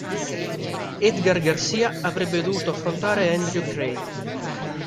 Edgar Garcia avrebbe dovuto affrontare Andrew Craig.